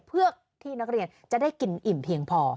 เพื่อที่นักเรียนจะได้กินอิ่มเพียงพอ